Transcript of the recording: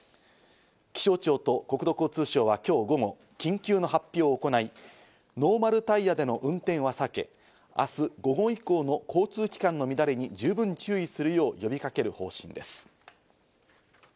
気象庁と国土交通省は今日午後、緊急の発表を行い、ノーマルタイヤでの運転は避け、明日午後以降の交通機関の乱れに十分注意するよう呼びかける方針です。